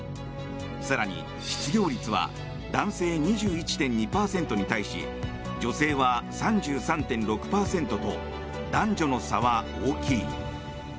更に、失業率は男性２１．２％に対し女性は３３．６％と男女の差は大きい。